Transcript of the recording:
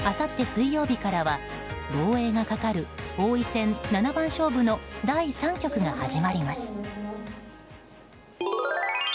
水曜日からは防衛がかかる王位戦七番勝負の第三局が始まります。